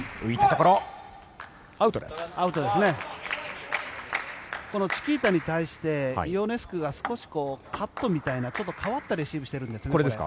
このチキータに対してイオネスクが少しカットみたいな変わったレシーブをしているんです。